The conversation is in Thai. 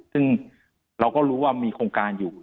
ซึ่งเราก็รู้ว่ามีโครงการอยู่